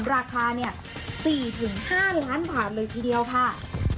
ราคาเนี้ยสี่ถึงห้าล้านพันเลยทีเดียวค่ะ